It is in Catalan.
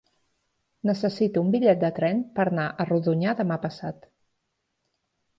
Necessito un bitllet de tren per anar a Rodonyà demà passat.